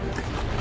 あ！